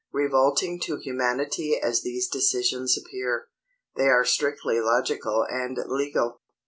Revolting to humanity as these decisions appear, they are strictly logical and legal.